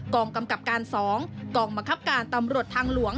กองกำกับการ๒กองบังคับการตำรวจทางหลวง